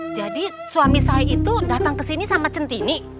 jadi suami saya itu datang ke sini sama centini